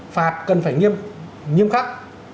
phạt cần phải nghiêm khắc